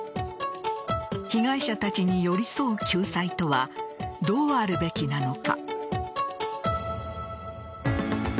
被害者たちに寄り添う救済とはどうあるべきなのか。